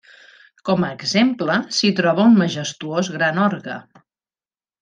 Com a exemple s'hi troba un majestuós gran orgue.